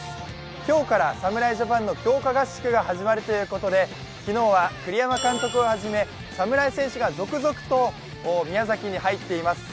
今日から侍ジャパンの強化合宿が始まるということで昨日は栗山監督はじめ、侍戦士が続々と宮崎に入っています。